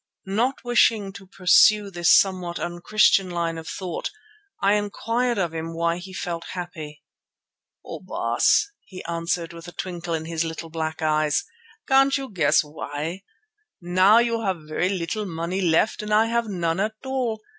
Not wishing to pursue this somewhat unchristian line of thought, I inquired of him why he felt happy. "Oh! Baas," he answered with a twinkle in his little black eyes, "can't you guess why? Now you have very little money left and I have none at all.